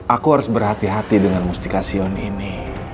aku harus berhati hati dengan mustika sion ini